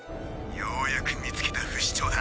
ようやく見つけた不死鳥だ。